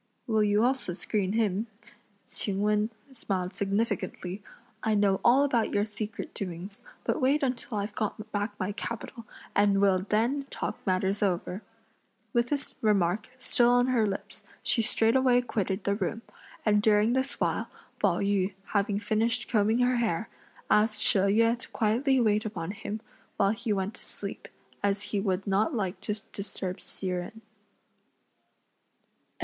"Will you also screen him?" Ch'ing Wen smiled significantly; "I know all about your secret doings, but wait until I've got back my capital, and we'll then talk matters over!" With this remark still on her lips, she straightway quitted the room, and during this while, Pao yü having finished combing her hair, asked She Yüeh to quietly wait upon him, while he went to sleep, as he would not like to disturb Hsi Jen.